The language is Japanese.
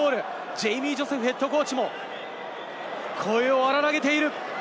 ジェイミー・ジョセフＨＣも声を荒らげている。